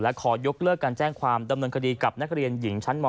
ขอยกเลิกการแจ้งความดำเนินคดีกับนักเรียนหญิงชั้นม๔